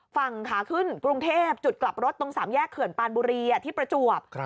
ฝั่งขาขึ้นกรุงเทพจุดกลับรถตรงสามแยกเขื่อนปานบุรีที่ประจวบ